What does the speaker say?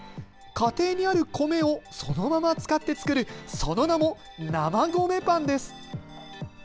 家庭にある米をそのまま使って作る、その名も生米パンです。